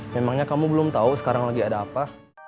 memangnya kamu belum tahu sekarang lagi ada apa